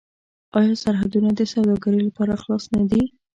آیا سرحدونه د سوداګرۍ لپاره خلاص نه دي؟